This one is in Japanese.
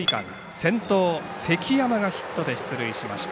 先頭、関山がヒットで出塁しました。